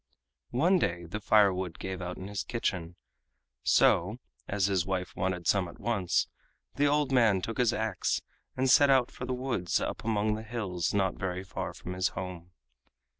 One day the firewood gave out in his kitchen, so, as his wife wanted some at once, the old man took his ax and set out for the woods up among the hills not very far from his home.